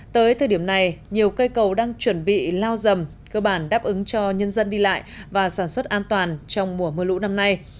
tới thời điểm này nhiều cây cầu đang chuẩn bị lao dầm cơ bản đáp ứng cho nhân dân đi lại và sản xuất an toàn trong mùa mưa lũ năm nay